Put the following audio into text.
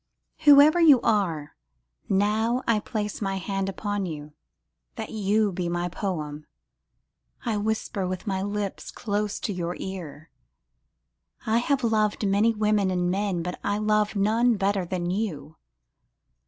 Whoever you are, now I place my hand upon you, that you be my poem, I whisper with my lips close to your ear. I have loved many women and men, but I love none better than you.